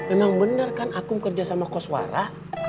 emang bener kan akum kerja sama kosuara